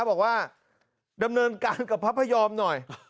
บอกว่าดำเนินการกับพระพยอมหน่อย